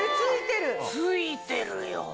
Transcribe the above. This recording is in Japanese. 付いてるよ。